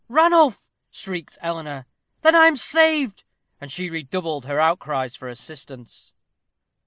"Ranulph!" shrieked Eleanor "then I am saved," and she redoubled her outcries for assistance.